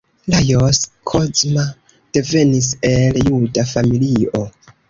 Lajos Kozma devenis el juda familio.